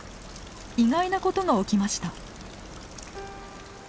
意外なことが起きました。